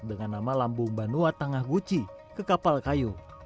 dengan nama lambung banua tengah guci ke kapal kayu